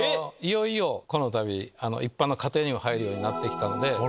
このたび一般の家庭にも入るようになってきたんで。